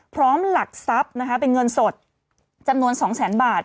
หลักทรัพย์นะคะเป็นเงินสดจำนวน๒แสนบาท